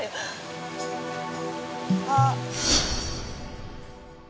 あっ。